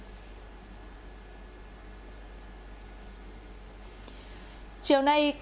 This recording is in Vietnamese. trường thịnh hà nội tp hcm